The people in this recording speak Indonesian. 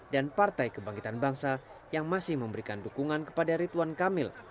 dan partai kebangkitan bangsa yang masih memberikan dukungan kepada rituan kamil